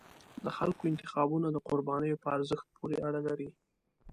د خلکو انتخابونه د قربانیو په ارزښت پورې اړه لري